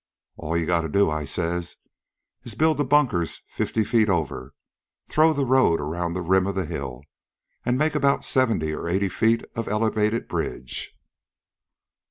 'All you gotta do,' I says, 'is to build the bunkers fifty feet over, throw the road around the rim of the hill, an' make about seventy or eighty feet of elevated bridge.'